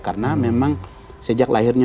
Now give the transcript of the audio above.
karena memang sejak lahirnya